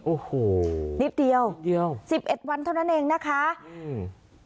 โอ้โหนิดเดียวนิดเดียวสิบเอ็ดวันเท่านั้นเองนะคะอืม